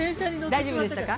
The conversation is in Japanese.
◆大丈夫でした？